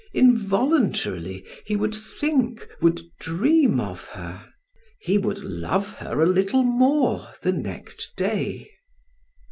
Involuntarily he would think, would dream of her; he would love her a little more the next day.